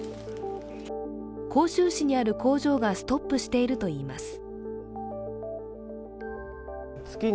広州市にある工場がストップしているといいます。